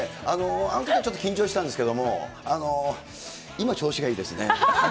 あのときはちょっと緊張してたんですけれども、今、調子がいいですね。